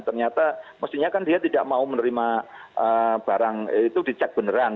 ternyata mestinya kan dia tidak mau menerima barang itu dicek beneran